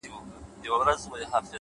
د چای بخار د لاس تودوخه بدلوي؛